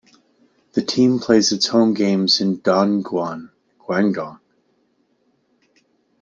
The team plays its home games in Dongguan, Guangdong.